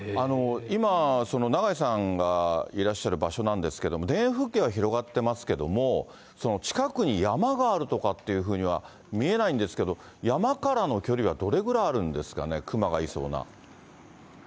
今、永井さんがいらっしゃる場所なんですけども、田園風景が広がってますけれども、近くに山があるとかっていうふうには見えないんですけど、山からの距離はどれぐらいあるんですかね、熊がいそうな。